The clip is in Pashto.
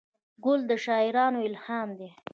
ګل د شاعرانو الهام دی.